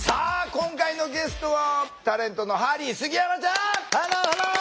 今回のゲストはタレントのハリー杉山ちゃん！ハローハロー！